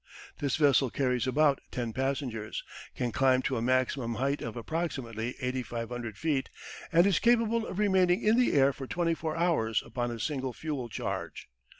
This vessel carries about 10 passengers, can climb to a maximum height of approximately 8,500 feet, and is capable of remaining in the air for twenty hours upon a single fuel charge.